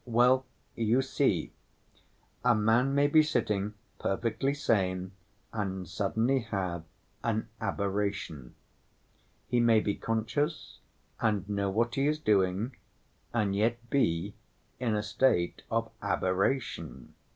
Well, you see, a man may be sitting perfectly sane and suddenly have an aberration. He may be conscious and know what he is doing and yet be in a state of aberration.